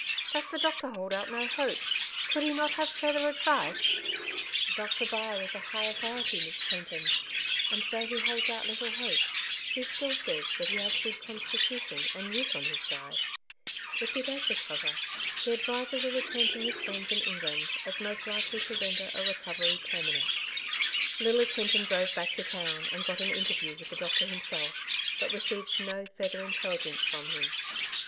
Does the doctor hold out no hope ? Could he not have further advice ?"'^ Doctor Byre is a high authority. Miss Clinton ; and though he holds out little hope, he still says that he has a good constitution and youth on his p 2 I 212 " Two Sides to every Question^ side. If lie does recover, he advises a return to his friends in England as most likely to render a recovery permanent/' Lily Clinton drove back to town and got an in terview with the doctor himself, but ^received no further intelligence from him.